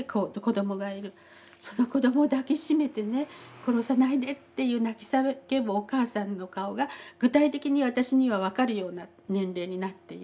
その子どもを抱き締めてね「殺さないで」って言う泣き叫ぶお母さんの顔が具体的に私には分かるような年齢になっている。